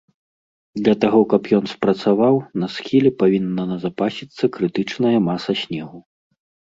Для таго, каб ён спрацаваў, на схіле павінна назапасіцца крытычная маса снегу.